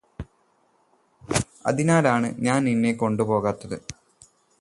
അതിനാലാണ് ഞാന് നിന്നെ കൊണ്ട് പോകാത്തത്